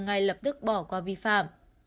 ngay lập tức bỏ qua vi phạm